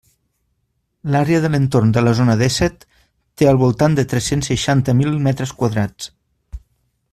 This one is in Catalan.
L'àrea de l'entorn de la Zona dèsset té al voltant de tres-cents seixanta mil metres quadrats.